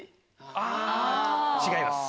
違います。